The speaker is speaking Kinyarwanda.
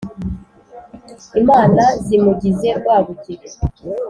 imana zimugize rwabugili